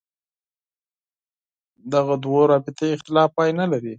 دغو دوو رابطې اختلاف پای نه لري.